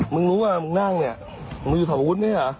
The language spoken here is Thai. มึงรู้ว่ามึงนั่งเนี่ยมึงอยู่สะพะพุดมั้ยเหรอ